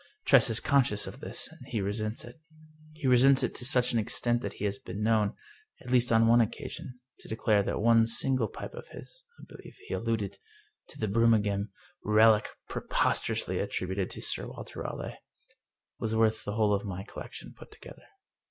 Tress is conscious of this, and he resents it. He resents it to such an extent that he has been known, at least on one occasion, to declare that one single pipe of his — I believe he alluded to the Brummagem relic preposterously attributed to Sir Walter Raleigh — ^was worth the whole of my collection put together.